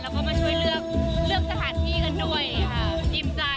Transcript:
แล้วก็มาช่วยเลือกสถานที่กันด้วยค่ะ